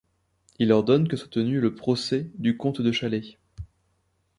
Il ordonne que soit tenu le procès du comte de Chalais.